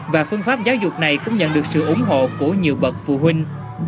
và phương pháp giáo dục này cũng nhận được sự ủng hộ của nhiều bậc phụ huynh